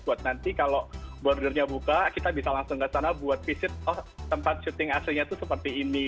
buat nanti kalau bordernya buka kita bisa langsung ke sana buat visit oh tempat syuting aslinya itu seperti ini